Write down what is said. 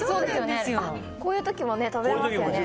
こういう時も食べれますよね。